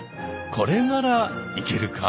これならいけるか？